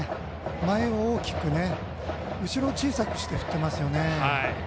前を大きく後ろを小さくして振ってますよね。